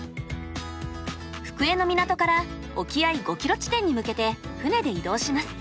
福江の港から沖合５キロ地点に向けて船で移動します。